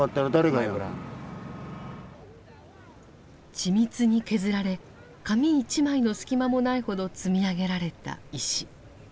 緻密に削られ紙一枚の隙間もないほど積み上げられた石。